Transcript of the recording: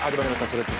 「それって！？